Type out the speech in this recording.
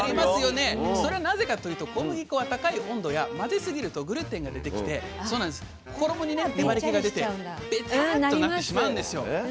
それなぜかというと小麦粉は高い温度や混ぜすぎるとグルテンが出てきて衣に粘りけが出てベタッとなってしまうんですよ。